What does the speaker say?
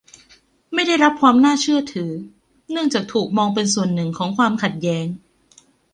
ไม่ได้รับความน่าเชื่อถือ เนื่องจากถูกมองเป็นส่วนหนึ่งของความขัดแย้ง